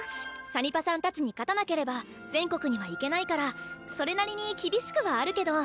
サニパさんたちに勝たなければ全国には行けないからそれなりに厳しくはあるけど。